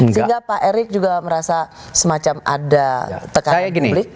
sehingga pak erick juga merasa semacam ada tekanan publik